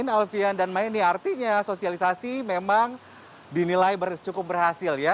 alvian dan maya ini artinya sosialisasi memang dinilai cukup berhasil ya